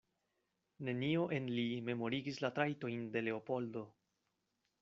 Nenio en li memorigis la trajtojn de Leopoldo.